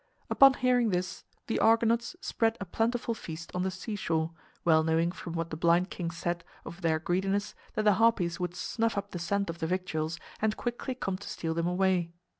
Upon hearing this the Argonauts spread a plentiful feast on the seashore, well knowing from what the blind king said of their greediness that the Harpies would snuff up the scent of the victuals and quickly come to steal them away.